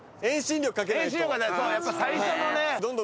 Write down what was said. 遠心力そうやっぱ最初のね。